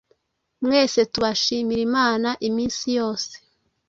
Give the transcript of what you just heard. Mwese tubashimira Imana iminsi yose,